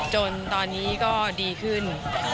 จนตอนนี้ก็ดีขึ้น